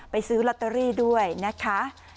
ซื้อลอตเตอรี่ด้วยนะคะ